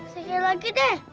sekali lagi deh